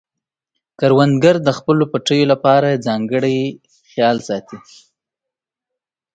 کروندګر د خپلو پټیو لپاره ځانګړی خیال ساتي